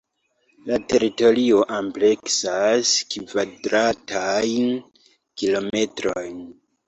La teritorio ampleksas kvadratajn kilometrojn.